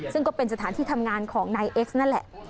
ซึ่งก็เป็นสถานที่ทำงานของนายเอ็กซ์นั่นแหละ